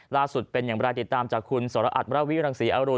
ล่าสุดเป็นอย่างไรติดตามจากคุณสระอัตรราวิรังศรีอันการ์